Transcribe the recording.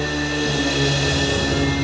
aku tidak bisa menangkapmu